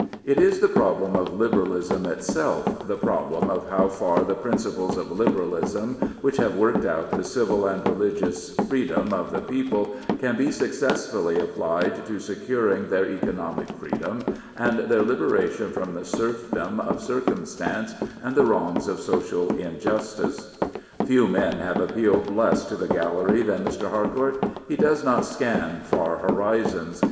It is the problem of Liberalism itself — the problem of how far the principles of Liberalism which have worked out the civil and religious freedom of the people can be successfully applied to securing their economic freedom, and their liberation from the serfdom of circumstance and the wrongs of social injustice. Few men have appealed less to the gallery than Mr. Harcourt. He does not scan far horizons.